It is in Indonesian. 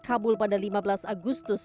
menggulingkan pemerintahan yang tersebut